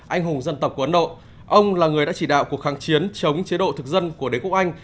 anh hùng dân tộc của ấn độ ông là người đã chỉ đạo cuộc kháng chiến chống chế độ thực dân của đế quốc anh